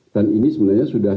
dan ini sebenarnya sudah